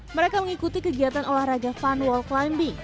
mereka mengikuti kegiatan olahraga fun wall climbing